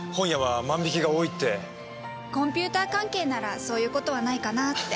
コンピューター関係ならそういう事はないかなって。